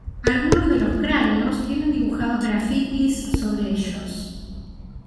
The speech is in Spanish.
Algunos de los cráneos tienen dibujados grafitis sobre ellos.